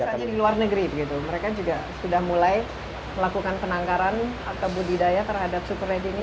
kalau misalnya di luar negeri mereka juga sudah mulai melakukan penangkaran atau budidaya terhadap super red ini